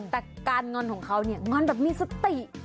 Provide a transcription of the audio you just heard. แต่การเงินของเขาเนี่ยงอนแบบมีสติ